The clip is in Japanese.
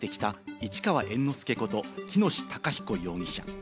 市川猿之助こと藤喜熨斗孝彦容疑者。